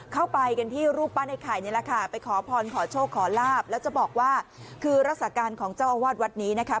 เข้าไปกันที่รูปปั้นไอ้ไข่นี่แหละค่ะไปขอพรขอโชคขอลาบแล้วจะบอกว่าคือรักษาการของเจ้าอาวาสวัดนี้นะคะ